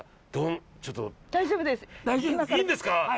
いいんですか。